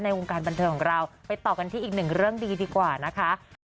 วงการบันเทิงของเราไปต่อกันที่อีกหนึ่งเรื่องดีดีกว่านะคะ